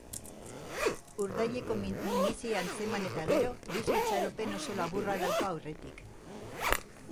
Urdaileko minbizia antzeman eta gero, bizi-itxaropen oso laburra dauka aurretik.